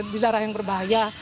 di daerah yang berbahaya